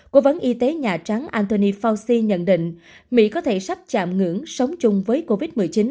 cố vấn y tế nhà trắng antony fauci nhận định mỹ có thể sắp chạm ngưỡng sống chung với covid một mươi chín